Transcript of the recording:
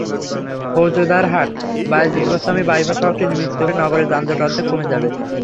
ফৌজদারহাট-বায়েজীদ Bostami bypass সড়কটি নির্মিত হলে নগরে যানজট অর্ধেক কমে যাবে।